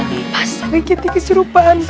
pasti sedikit sedikit serupan